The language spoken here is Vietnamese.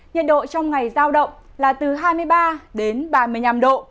nhiệt độ trong ngày giao động là từ hai mươi ba đến ba mươi năm độ